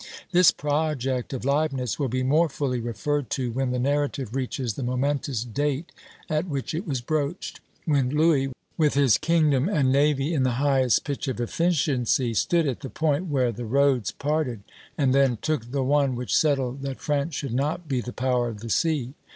This project of Leibnitz will be more fully referred to when the narrative reaches the momentous date at which it was broached; when Louis, with his kingdom and navy in the highest pitch of efficiency, stood at the point where the roads parted, and then took the one which settled that France should not be the power of the sea.